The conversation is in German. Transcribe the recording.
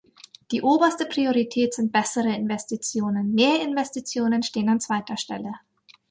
Die oberste Priorität sind "bessere Investitionen", "mehr Investitionen" stehen an zweiter Stelle.